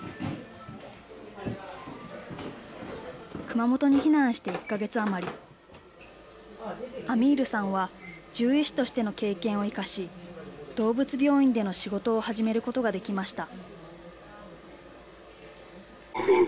熊本に避難して１か月余りアミールさんは獣医師としての経験を生かし動物病院での仕事を始めることができました。